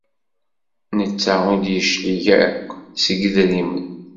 Netta ur d-yeclig akk seg yedrimen.